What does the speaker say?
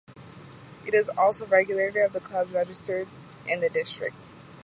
It is also the regulator of the clubs registered in the district.